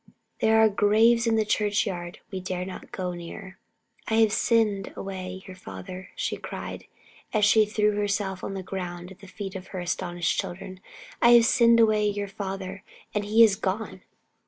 There are graves in the churchyard we dare not go near. "I have sinned away your father!" she cried, as she threw herself on the earth at the feet of her astounded children. "I have sinned away your father and he is gone!"